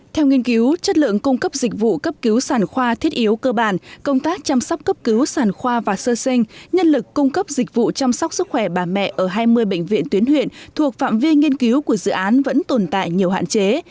theo nghiên cứu chất lượng cung cấp dịch vụ cấp cứu sản khoa thiết yếu cơ bản công tác chăm sóc cấp cứu sản khoa và sơ sinh nhân lực cung cấp dịch vụ chăm sóc sức khỏe bà mẹ ở hai mươi bệnh viện tuyến huyện thuộc phạm vi nghiên cứu của dự án vẫn tồn tại nhiều hạn chế